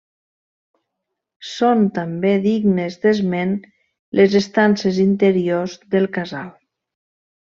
Són també dignes d'esment les estances interiors del casal.